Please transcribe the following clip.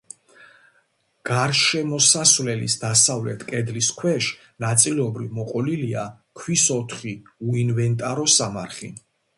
გარშემოსავლელის დასავლეთ კედლის ქვეშ ნაწილობრივ მოყოლილია ქვის ოთხი უინვენტარო სამარხი.